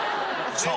さあ、